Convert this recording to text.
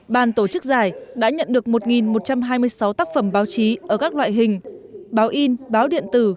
bàn tổ chức giải đã nhận được một một trăm hai mươi sáu tác phẩm báo chí ở các loại hình báo in báo điện tử